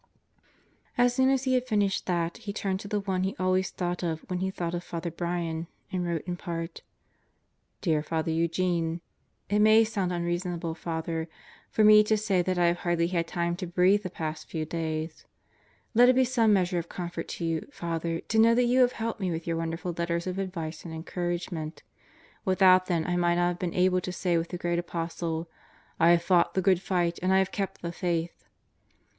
... As soon as he had finished that, he turned to the one he always thought of when he thought of Father Brian and wrote in part: Dear Father Eugene: It may sound unreasonable, Father, for me to say that I have hardly had time to breathe the past few days. ... Let it be some measure of comfort to you, Father, to know that you have helped me with your wonderful letters of advice and encouragement. Without them I may not have been able to say with the great Apostle: "I have fought the good fight, and I have kept the Faith."